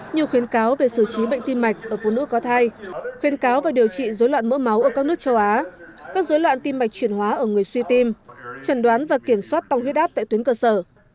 nhiều khuyến cáo về xử trí bệnh tim mạch ở phụ nữ có thai khuyến cáo về điều trị dối loạn mỡ máu ở các nước châu á các dối loạn tim mạch chuyển hóa ở người suy tim trần đoán và kiểm soát tăng huyết áp tại tuyến cơ sở